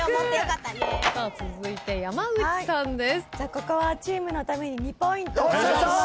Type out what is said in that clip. ここはチームのために２ポイント頑張ります。